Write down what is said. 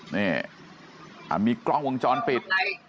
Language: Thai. นี่มีกล้องวงจรปิด